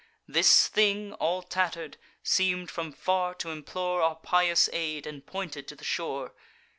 This thing, all tatter'd, seem'd from far t'implore Our pious aid, and pointed to the shore.